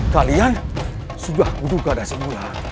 kalian sudah berduka dah semula